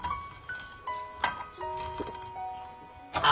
あ。